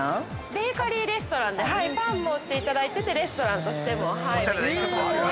◆ベーカリーレストランでパンも売っていただいていてレストランとしても。